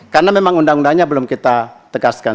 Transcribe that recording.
karena memang undang undangnya belum kita tegaskan